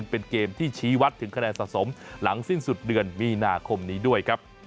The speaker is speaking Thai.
เป็นเกมที่ชี้วัดถึงคะแนนสะสมหลังสิ้นสุดเดือนมีนาคมนี้ด้วยครับ